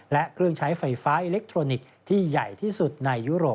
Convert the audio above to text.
และเครื่องใช้ไฟฟ้าอิเล็กทรอนิกส์ที่ใหญ่ที่สุดในยุโรป